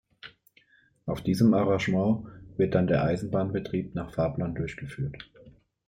Auf diesem Arrangement wird dann der Eisenbahnbetrieb nach Fahrplan durchgeführt.